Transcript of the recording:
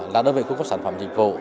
là đối với khu vực sản phẩm dịch vụ